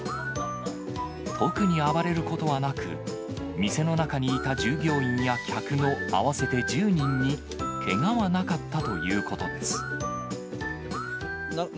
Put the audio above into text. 特に暴れることはなく、店の中にいた従業員や客の合わせて１０人にけがはなかったという何？